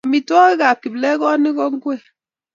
amitwogikab kiplekonik ko ngwek